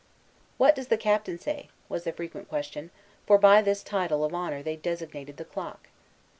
"What does the Captain say?" was the frequent question; for by this title of honor they designated the clock.